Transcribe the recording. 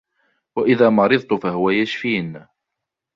وإذا مرضت فهو يشفين